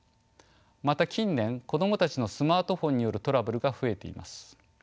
また近年子供たちのスマートフォンによるトラブルが増えています。